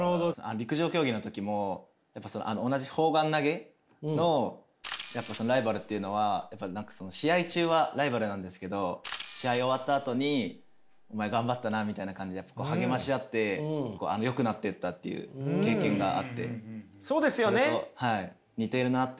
陸上競技の時も同じ砲丸投げのライバルっていうのは試合中はライバルなんですけど試合終わったあとにお前頑張ったなみたいな感じで励まし合ってよくなってったっていう経験があってそれと似てるなって。